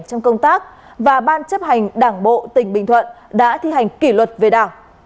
trong công tác và ban chấp hành đảng bộ tỉnh bình thuận đã thi hành kỷ luật về đảng